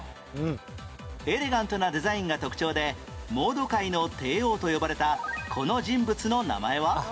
エレガントなデザインが特徴でモード界の帝王と呼ばれたこの人物の名前は？